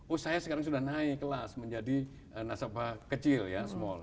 oh saya sekarang sudah naik kelas menjadi nasabah kecil ya small